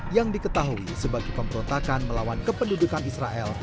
yang diketahui sebagai pemberontakan melawan kependudukan israel